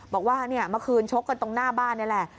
บอกว่าเมื่อคืนชกกันตรงหน้าบ้านนี่แหละ